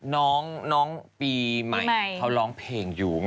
น้องปีใหม่เขาร้องเพลงอยู่ไง